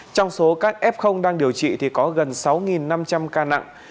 trong số các f đang điều trị thì có gần sáu năm trăm linh ca nặng